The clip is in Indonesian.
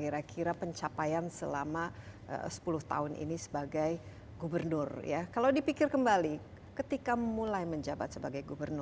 kira kira pencapaian selama sepuluh tahun ini sebagai gubernur ya kalau dipikir kembali ketika mulai menjabat sebagai gubernur